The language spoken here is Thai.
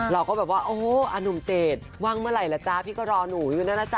เราก็แบบว่าโอ้โหอนุ่มเจดว่างเมื่อไหร่ล่ะจ๊ะพี่ก็รอหนูอยู่นั่นนะจ๊